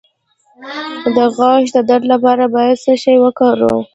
د غاښ د درد لپاره باید څه شی وکاروم؟